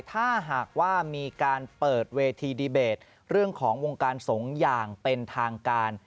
ถ้าหากว่ามีการเปิดเวทีดีเบตเรื่องของวงการสงฆ์อย่างเป็นทางการ